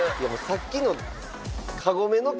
さっきの。